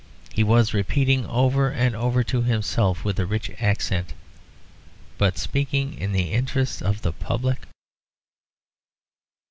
He was repeating over and over to himself with a rich accent "But speaking in the interests of the public...."